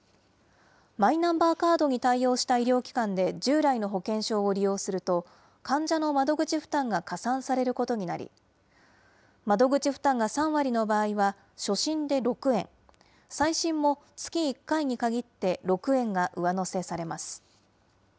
マイナンバーカードに対応した医療機関で従来の保険証を利用すると、患者の窓口負担が加算されることになり、窓口負担が３割の場合は初診で６円、再診も月１回に限って６円が上乗せされます。